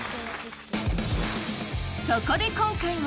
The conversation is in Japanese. そこで今回は！